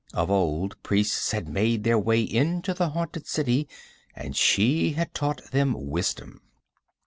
Of old, priests had made their way into the haunted city, and she had taught them wisdom.